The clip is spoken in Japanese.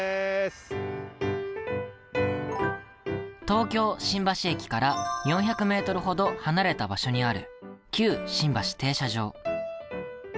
東京・新橋駅から４００ｍほど離れた場所にある旧新橋停車場。